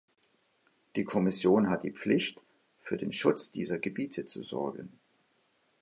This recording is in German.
Die Kommission hat die Pflicht, für den Schutz dieser Gebiete zu sorgen.